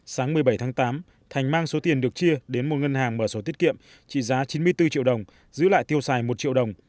sáng một mươi bảy tháng tám thành mang số tiền được chia đến một ngân hàng mở số tiết kiệm trị giá chín mươi bốn triệu đồng giữ lại tiêu xài một triệu đồng